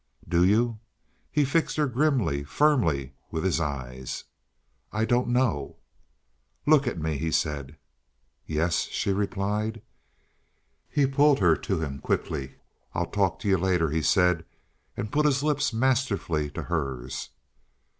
"Do you?" He fixed her grimly, firmly with his eyes. "I don't know." "Look at me," he said. "Yes," she replied. He pulled her to him quickly. "I'll talk to you later," he said, and put his lips masterfully to hers.